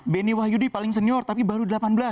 beni wahyudi paling senior tapi baru delapan belas